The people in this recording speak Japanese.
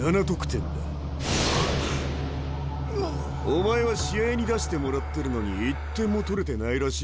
お前は試合に出してもらってるのに１点も取れてないらしいじゃないか。